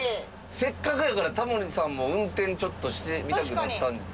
せっかくやからタモリさんも運転ちょっとしてみたくなったんちゃいます？